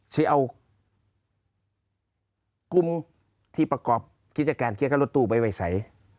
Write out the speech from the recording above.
จะเอากุมที่ประกอบคิดจักรการเกี่ยวกับรถตู้ไปไว้ใส